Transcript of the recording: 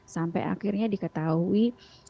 sampai akhirnya diketahui